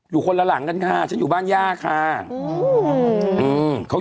มาพี่บุ้เตฐานว่าเขาถูกไม่คิดไม่คุยแบบนี้